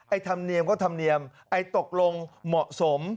ธรรมเนียมก็ธรรมเนียมไอ้ตกลงเหมาะสม